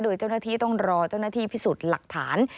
โดยเจ้าหน้าที่ต้องรอเจ้าหน้าที่พิสูจน์หลักฐาน